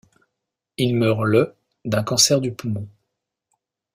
Il meurt le d'un cancer du poumon.